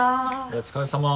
お疲れさま。